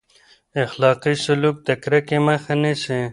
اخلاقي سلوک د کرکې مخه نیسي.